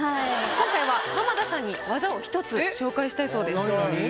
今回は浜田さんに技を１つ紹介したいそうです。